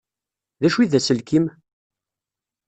D acu i d aselkim?